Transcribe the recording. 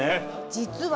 実は。